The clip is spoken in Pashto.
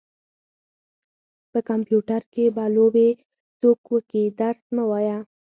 په کمپيوټر کې به لوبې څوک وکي درس مه وايه.